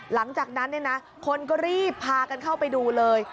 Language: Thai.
หลังจากนั้นคนก็รีบพากันเข้าไปดูเลย